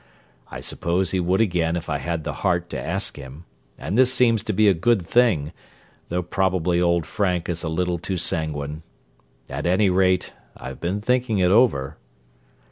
I suppose he would again if I had the heart to ask him; and this seems to be a good thing, though probably old Frank is a little too sanguine. At any rate, I've been thinking it over."